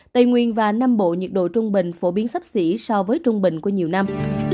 tây nguyên và nam bộ nhiệt độ trung bình phổ biến sắp xỉ so với trung bình của nhiều năm